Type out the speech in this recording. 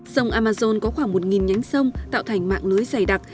sông amazon có khoảng một nhánh sông tạo thành mạng lưới dày đặc